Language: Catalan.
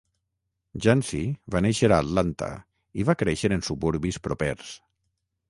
Yancey va néixer a Atlanta i va créixer en suburbis propers.